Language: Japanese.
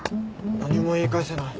何も言い返せない。